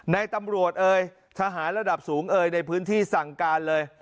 ในตำรวจเอ่ยทหารระดับสูงเอ่ยในพื้นที่สั่งการเลย